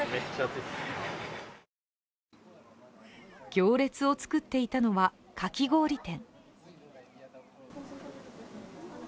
行列を作っていたのはかき氷店。